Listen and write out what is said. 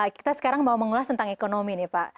kita sekarang mau mengulas tentang ekonomi nih pak